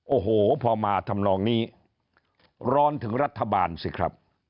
โอ้โหพอมาทำนองนี้ร้อนถึงรัฐบาลสิครับ